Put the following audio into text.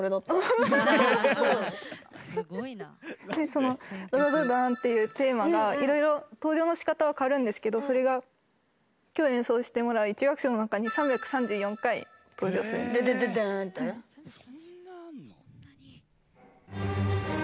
その「ダダダダー」っていうテーマがいろいろ登場のしかたは変わるんですけどそれが今日、演奏してもらう１楽章の中に３３４回登場するんです。